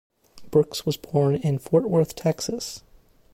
Brooks was born in Fort Worth, Texas.